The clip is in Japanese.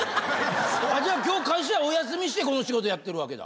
じゃあ今日会社お休みしてこの仕事やってるわけだ。